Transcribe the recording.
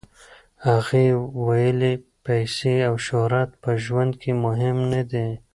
هغې ویلي، پیسې او شهرت په ژوند کې مهم نه دي.